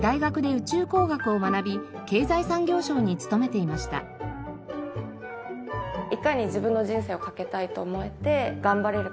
いかに自分の人生をかけたいと思えて頑張れるか。